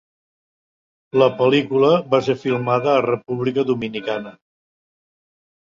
La pel·lícula va ser filmada a República Dominicana.